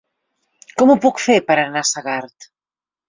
Com ho puc fer per anar a Segart?